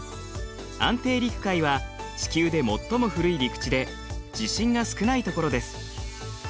安定陸塊は地球で最も古い陸地で地震が少ないところです。